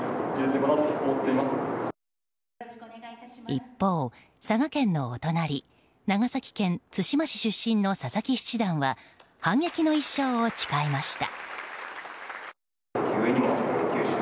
一方、佐賀県のお隣長崎県対馬市出身の佐々木七段は反撃の一勝を誓いました。